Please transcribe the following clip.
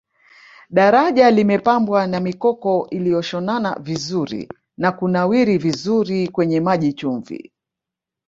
daraja limepambwa na mikoko iliyoshonana vizuri na kunawiri vizuri kwenye maji chumvi